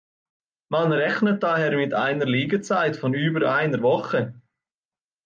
Man rechnet daher mit einer Liegezeit von über einer Woche.